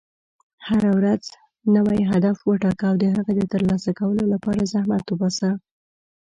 هره ورځ نوی هدف وټاکه، او د هغې د ترسره کولو لپاره زحمت وباسه.